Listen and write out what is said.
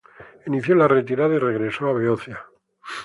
Inició la retirada y regresó a Beocia.